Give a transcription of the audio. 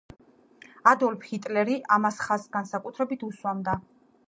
ადოლფ ჰიტლერი ამას ხაზს განსაკუთრებით უსვამდა.